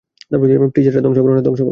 Please এটা ধ্বংস করো না।